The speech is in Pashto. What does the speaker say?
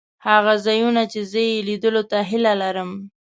هغه ځایونه چې زه یې لیدلو ته هیله لرم.